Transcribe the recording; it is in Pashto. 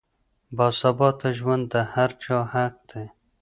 باثباته ژوند د هر چا حق دی.